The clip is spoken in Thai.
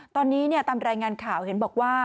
ตอนนี้ตามรายงานข่าวเห็นบอกว่า